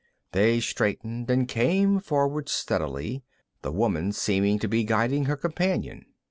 They straightened and came forward steadily, the woman seeming to be guiding her companion.